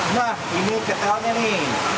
nah ini ketalnya nih